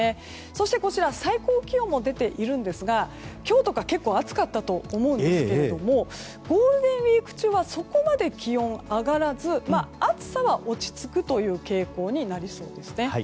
そして、最高気温も出ているんですが、今日とか結構暑かったと思うんですがゴールデンウィーク中はそこまで気温が上がらず暑さは落ち着くという傾向になりそうです。